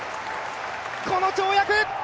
この跳躍！